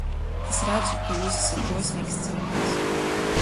Es redzu, ka jūs esat drosmīgs cilvēks.